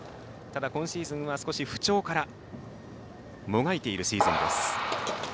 今シーズンは、少し不調からもがいているシーズンです。